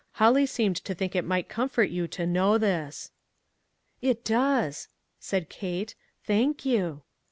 Holly seemed to think it might comfort you to know this." "It does," said Kate; "thank you."